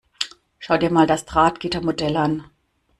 Schau dir mal das Drahtgittermodell an.